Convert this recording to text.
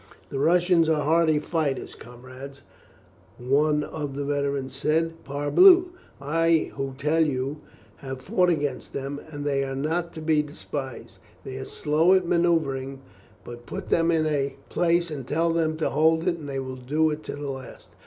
"The Russians are hardy fighters, comrades," one of the veterans said. "Parbleu! I who tell you, have fought against them, and they are not to be despised. They are slow at manuoevring, but put them in a place and tell them to hold it, and they will do it to the last.